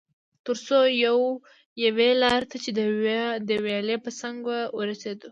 تر څو یوې لارې ته چې د ویالې په څنګ کې وه ورسېدو.